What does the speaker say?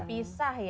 masih terpisah ya